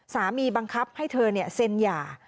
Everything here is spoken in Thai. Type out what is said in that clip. บังคับให้เธอเซ็นหย่า